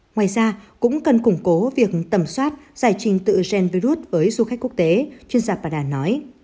ngoài ra cũng cần củng cố việc tầm soát giải trình tự gen virus với du khách quốc tế chuyên gia panda nói